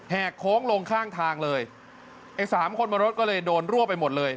โค้งลงข้างทางเลยไอ้สามคนบนรถก็เลยโดนรั่วไปหมดเลย